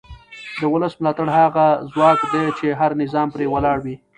د ولس ملاتړ هغه ځواک دی چې هر نظام پرې ولاړ وي